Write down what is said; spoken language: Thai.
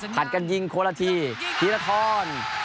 ผ่านกันยิงคนละทีทีละท้อน